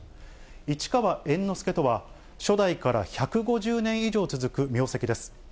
市川猿之助とは、初代から１５０年以上続く名跡です。